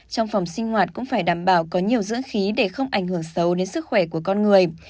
trong phòng sinh hoạt cũng phải đảm bảo có nhiều dưỡng khí để không ảnh hưởng xấu đến sức khỏe của con người